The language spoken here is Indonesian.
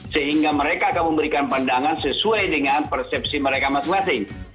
sehingga mereka akan memberikan pandangan sesuai dengan persepsi mereka masing masing